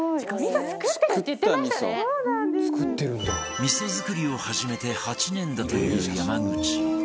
味噌作りを始めて８年だという山口